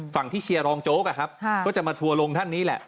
ฝั่งที่เชียรองโจ๊กก็จะมาถัวลงท่านนี้แหละ